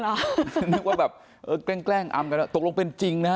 นึกว่าแบบเออแกล้งอำกันตกลงเป็นจริงนะฮะ